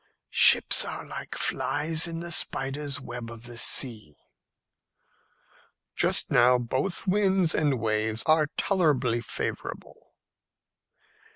"Ships are like flies in the spider's web of the sea." "Just now both winds and waves are tolerably favourable."